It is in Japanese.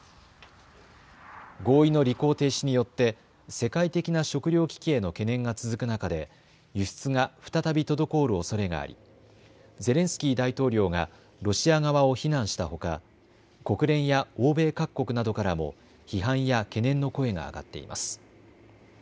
合意の履行停止によって世界的な食料危機への懸念が続く中で輸出が再び滞るおそれがありゼレンスキー大統領がロシア側を非難したほか国連や欧米各国などからも批判や懸念の声が上がっています。